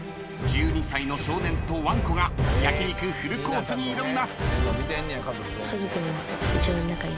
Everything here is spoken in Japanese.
１２歳の少年とわんこが焼き肉フルコースに挑みます。